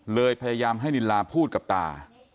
พยายามให้นิลาพูดกับตา